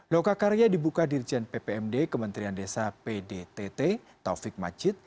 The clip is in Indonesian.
loka karya dibuka dirjen ppmd kementerian desa pdtt taufik majid